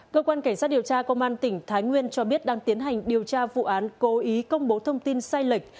cơ quan cảnh sát điều tra công an tp hcm cho biết đang tiến hành điều tra vụ án cố ý công bố thông tin sai lệch